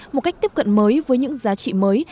một cách tiếp cận mới với những giá trị mới